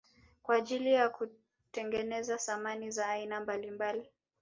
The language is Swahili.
Kwa ajili ya kutengenezea samani za aina mbalimbali